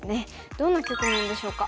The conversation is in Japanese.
どんな局面でしょうか。